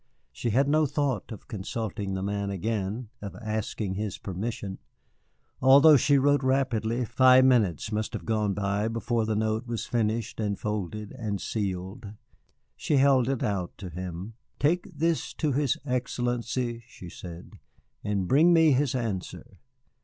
She had no thought of consulting the man again, of asking his permission. Although she wrote rapidly, five minutes must have gone by before the note was finished and folded and sealed. She held it out to him. "Take this to his Excellency," she said, "and bring me his answer."